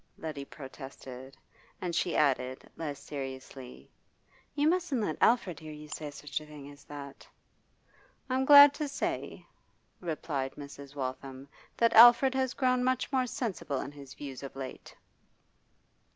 Letty protested. And she added, less seriously, 'You mustn't let Alfred hear you say such a thing as that.' 'I'm glad to say,' replied Mrs. Waltham, 'that Alfred has grown much more sensible in his views of late.